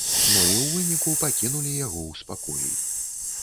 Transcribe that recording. Ну і ў выніку пакінулі яго ў спакоі.